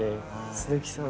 鈴木さん